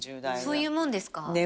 そういうもんですか？